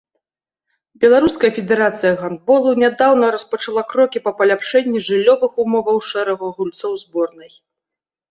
Беларуская федэрацыя гандболу нядаўна распачала крокі па паляпшэнні жыллёвых умоваў шэрагу гульцоў зборнай.